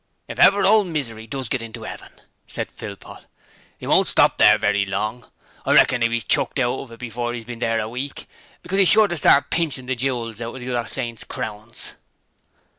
'If ever ole Misery DOES get into 'eaven,' said Philpot, ''e won't stop there very long. I reckon 'e'll be chucked out of it before 'e's been there a week, because 'e's sure to start pinchin' the jewels out of the other saints' crowns.'